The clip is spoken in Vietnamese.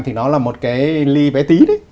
thì nó là một cái ly bé tí đấy